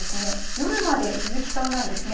夜まで続きそうなんですね。